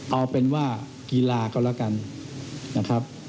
เอาเป็นว่ากีฬาก็แล้วกันนะครับ